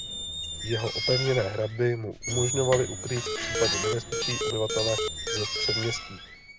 Jeho opevněné hradby mu umožňovaly ukrýt v případě nebezpečí obyvatele z předměstí.